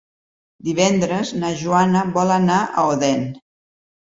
Divendres na Joana vol anar a Odèn.